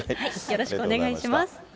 よろしくお願いします。